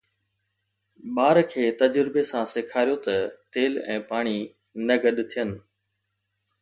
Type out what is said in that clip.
ٻار کي تجربي سان سيکاريو ته تيل ۽ پاڻي نه گڏ ٿين